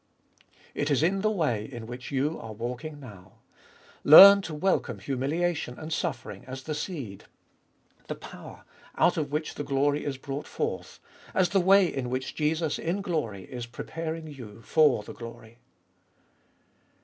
It is in the way in which you are walking now. Learn to welcome humiliation and suffering as the seed, the power out of which the glory is brought forth, as the way in which Jesus in glory is preparing you for the glory.